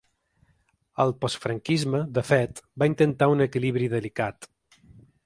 El postfranquisme, de fet, va intentar un equilibri delicat.